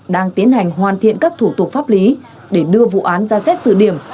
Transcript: đang tiến hành hoàn thiện các thủ tục pháp lý để đưa vụ án ra xét xử điểm